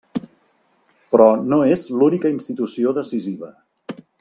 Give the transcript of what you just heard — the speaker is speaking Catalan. Però no és l'única institució decisiva.